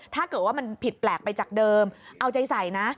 ถ้าเกิดว่ามันผิดแปลกไปจากเดิมเอาใจใส่นะ